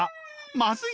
「まずい！